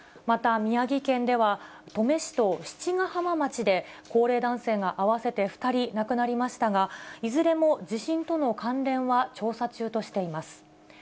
また、宮城県では、登米市と七ヶ浜町で高齢男性が合わせて２人亡くなりましたが、いずれも地震との関連は調査中としています。